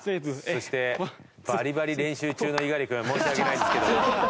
そしてバリバリ練習中の猪狩君申し訳ないんですけど。